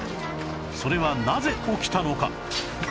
それはなぜ起きたのか？